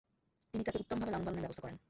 তিনি তাকে উত্তমভাবে লালন-পালনের ব্যবস্থা করেন।